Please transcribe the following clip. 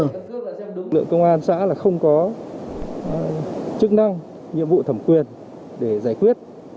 lực lượng công an xã là không có chức năng nhiệm vụ thẩm quyền để giải quyết